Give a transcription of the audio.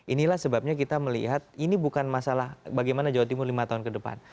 inilah sebabnya kita melihat ini bukan masalah bagaimana jawa timur lima tahun ke depan